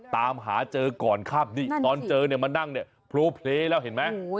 ตามหาเจอก่อนครับนี่ตอนเจอเนี่ยมานั่งเนี่ยโพลเพลย์แล้วเห็นไหม